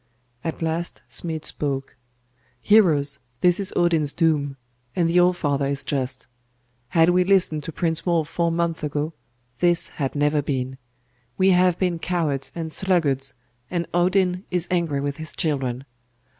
At last Smid spoke 'Heroes, this is Odin's doom; and the All father is just. Had we listened to Prince Wulf four months ago, this had never been. We have been cowards and sluggards, and Odin is angry with his children.